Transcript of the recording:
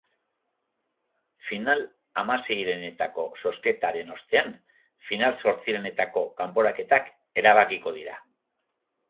Final-hamaseirenetako zozketaren ostean, final-zortzirenetako kanporaketak erabakiko dira.